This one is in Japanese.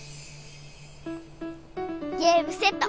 ゲームセット！